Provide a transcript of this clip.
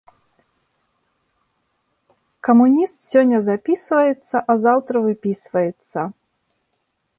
Камуніст сёння запісваецца, а заўтра выпісваецца.